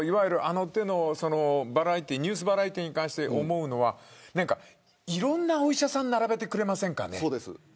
いわゆる、あの手のニュースバラエティーに関して思うのはいろんなお医者さんを並べてくれませんかね。